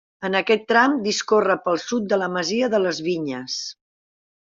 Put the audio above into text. En aquest tram discorre pel sud de la masia de les Vinyes.